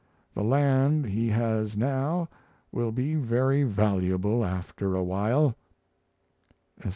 The land he has now will be very valuable after a while 'S.